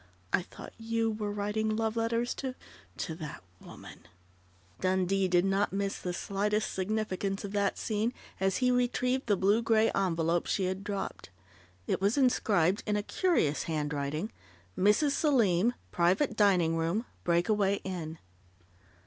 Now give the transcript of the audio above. I thought you were writing love letters to to that woman " Dundee did not miss the slightest significance of that scene as he retrieved the blue grey envelope she had dropped. It was inscribed, in a curious handwriting: "Mrs. Selim, Private Dining Room, Breakaway Inn."